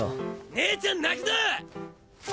姉ちゃん泣くぞ！